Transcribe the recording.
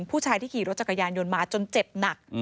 ผู้ชายที่ขี่รถจักรยานยนต์มาจนเจ็บหนัก